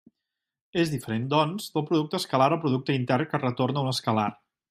És diferent doncs, del producte escalar o producte intern que retorna un escalar.